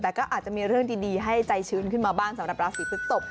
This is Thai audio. แต่ก็อาจจะมีเรื่องดีให้ใจชื้นขึ้นมาบ้างสำหรับราศีพฤกษก